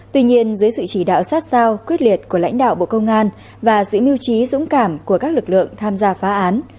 tuy nhiên dưới sự chỉ đạo sát sao quyết liệt của lãnh đạo bộ công an và sự mưu trí dũng cảm của các lực lượng tham gia phá án